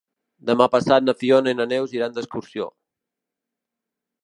Demà passat na Fiona i na Neus iran d'excursió.